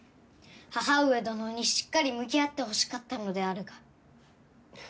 母上どのにしっかり向き合ってほしかったのであるが。